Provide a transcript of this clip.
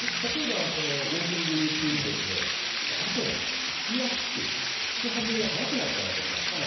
ウォーキング中に汗がかきやすくかき始めが早くなったなとか。